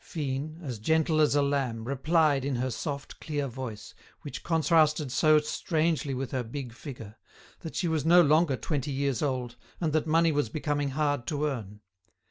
Fine, as gentle as a lamb, replied, in her soft, clear voice, which contrasted so strangely with her big figure, that she was no longer twenty years old, and that money was becoming hard to earn.